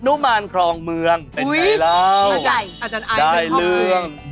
หน้วมารคลองเมืองเห็นไงเลย